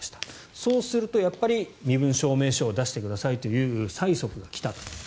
そうすると、身分証明書を出してくださいという催促が来た。